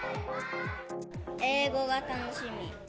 英語が楽しみ。